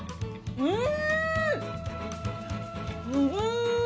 うん！